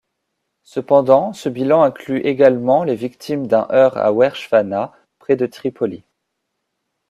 Cependant ce bilan inclut également les victimes d'un heurt à Ouerchfana, près de Tripoli.